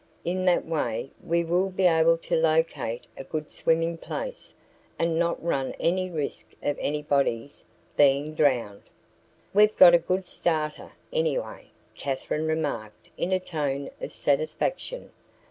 In that way we will be able to locate a good swimming place and not run any risk of anybody's being drowned." "We've got a good starter, anyway," Katherine remarked in a tone of satisfaction.